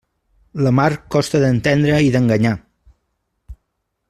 La mar costa d'entendre i d'enganyar.